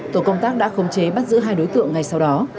tổ công tác đã khống chế bắt giữ hai đối tượng ngay sau đó